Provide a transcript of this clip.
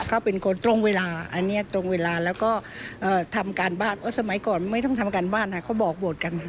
เขาเป็นคนตรงเวลาอันนี้ตรงเวลาแล้วก็ทำการบ้านสมัยก่อนไม่ต้องทำการบ้านเขาบอกบวชกัน